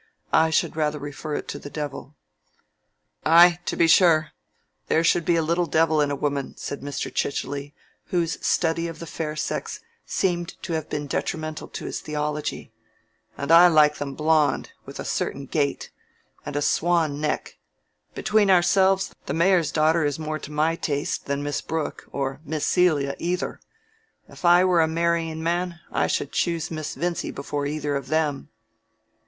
"I should rather refer it to the devil." "Ay, to be sure, there should be a little devil in a woman," said Mr. Chichely, whose study of the fair sex seemed to have been detrimental to his theology. "And I like them blond, with a certain gait, and a swan neck. Between ourselves, the mayor's daughter is more to my taste than Miss Brooke or Miss Celia either. If I were a marrying man I should choose Miss Vincy before either of them."